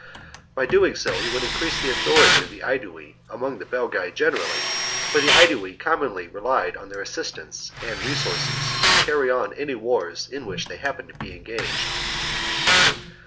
By doing so he would increase the authority of the Aedui among the Belgae generally, for the Aedui com monly relied on their assistance and resources to carry on any wars in which they happened to be engaged.